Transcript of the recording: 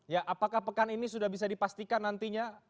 ya apakah pekan ini sudah bisa dipastikan nantinya